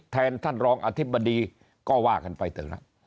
แทนท่านรองอธิบดีก็ว่ากันไปเถอะ